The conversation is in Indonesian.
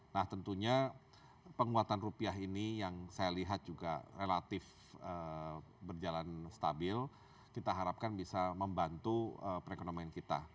nah tentunya penguatan rupiah ini yang saya lihat juga relatif berjalan stabil kita harapkan bisa membantu perekonomian kita